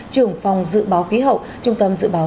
trưởng phòng dự báo khí hậu trung tâm dự báo